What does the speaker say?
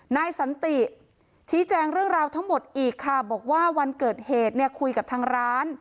นายสันติชี้แจงเรื่องราวทั้งหมดอีกค่ะบอกว่าวันเกิดเหตุเนี่ยคุยกับทางร้าน